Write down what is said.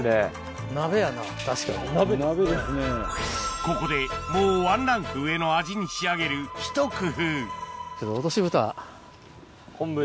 ここでもうワンランク上の味に仕上げるひと工夫昆布で。